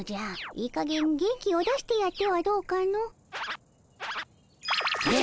いいかげん元気を出してやってはどうかの。え！